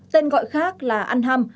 tên gọi khác là ăn hăm